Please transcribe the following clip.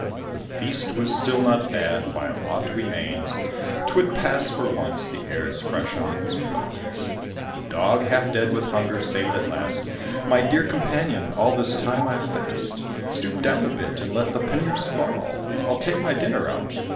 The feast was still not bad: while aught remains; 'Twould pass for once, the air's fresh on these plains. The Dog, half dead with hunger, said, at last, "My dear companion, all this time I fast. Stoop down a bit, and let the panniers fall; I'll take my dinner out."